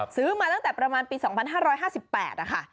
ซื้อมาตั้งแต่ประมาณปี๒๕๕๘นะคะ